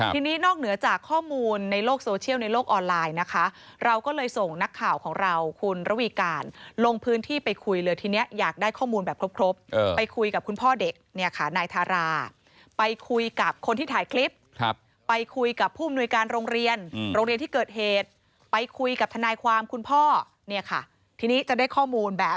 ทีนี้นอกเหนือจากข้อมูลในโลกโซเชียลในโลกออนไลน์นะคะเราก็เลยส่งนักข่าวของเราคุณระวีการลงพื้นที่ไปคุยเลยทีนี้อยากได้ข้อมูลแบบครบไปคุยกับคุณพ่อเด็กเนี่ยค่ะนายทาราไปคุยกับคนที่ถ่ายคลิปไปคุยกับผู้มนุยการโรงเรียนโรงเรียนที่เกิดเหตุไปคุยกับทนายความคุณพ่อเนี่ยค่ะทีนี้จะได้ข้อมูลแบบ